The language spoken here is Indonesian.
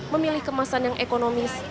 memilih kemasan yang ekonomis